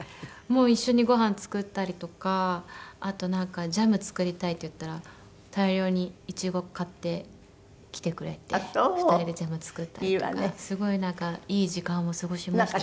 もう一緒にごはん作ったりとかあとなんか「ジャム作りたい」って言ったら大量にイチゴ買ってきてくれて２人でジャム作ったりとかすごいなんかいい時間を過ごしましたね。